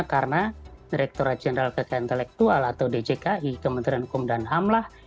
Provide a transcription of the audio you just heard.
karena direkturat jenderal kekainan intelektual atau djki kementerian hukum dan ham lah